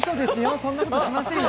そんなことしませんよ。